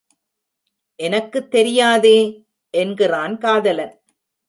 எனக்குத் தெரியாதே? என்கிறான் காதலன்.